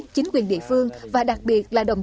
chính quyền địa phương và đặc biệt là